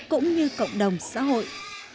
cũng như cộng đồng xã hội